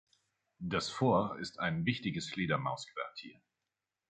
Das Fort ist ein wichtiges Fledermausquartier.